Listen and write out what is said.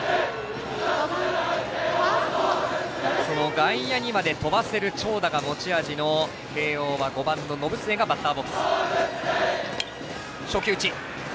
外野にまで飛ばせる長打が持ち味の慶応は５番の延末がバッターボックス。